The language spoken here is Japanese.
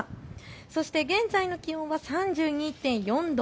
そして現在の気温は３２．４度。